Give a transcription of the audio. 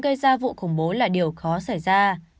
gây ra vụ khủng bố là điều khó xảy ra